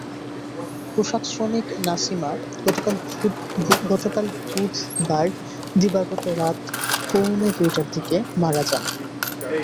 পোশাকশ্রমিক নাসিমা গতকাল বুধবার দিবাগত রাত পৌনে দুইটার দিকে মারা যান।